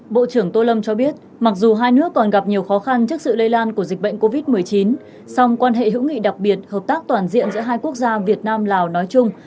bộ trưởng tô lâm cho biết mặc dù hai nước còn gặp nhiều khó khăn trước sự lây lan của dịch bệnh covid một mươi chín song quan hệ hữu nghị đặc biệt hợp tác toàn diện giữa hai quốc gia việt nam lào nói chung